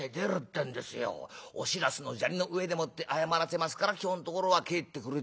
『お白州の砂利の上でもって謝らせますから今日のところは帰ってくれ』